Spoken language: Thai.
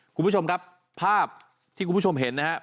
คุณผู้ชมครับภาพที่คุณผู้ชมเห็นนะครับ